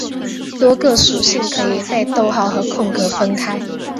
多个属性可以被逗号和空格分开。